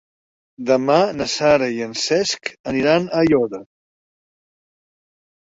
Demà na Sara i en Cesc aniran a Aiòder.